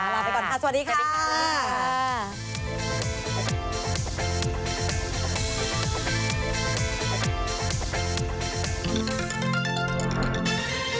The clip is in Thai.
ลาไปก่อนค่ะสวัสดีค่ะ